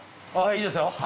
いいですよ。